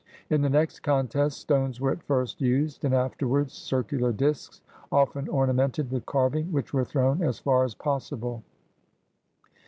In the next contest stones were at first used, and afterwards circular disks, often ornamented with carving, which were thrown as far as possible.